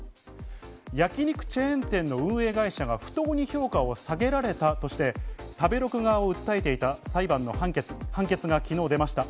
焼き肉チェーン店の運営会社が不当に評価を下げられたとして、食べログ側を訴えていた裁判の判決が昨日出ました。